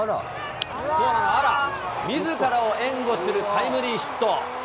みずからを援護するタイムリーヒット。